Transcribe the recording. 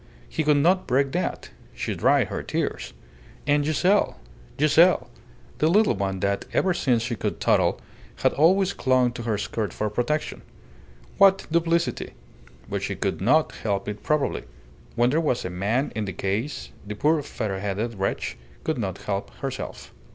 He could not break that. She dried her tears. And Giselle! Giselle! The little one that, ever since she could toddle, had always clung to her skirt for protection. What duplicity! But she could not help it probably. When there was a man in the case the poor featherheaded wretch could not help herself.